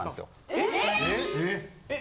・えっ！？